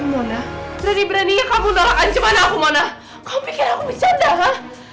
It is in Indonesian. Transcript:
ngemona dari berani kamu neraka cuman aku mana kau pikir aku bisa